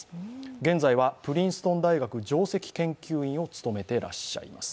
現在はプリンストン大学上席研究員を務めてらっしゃいます。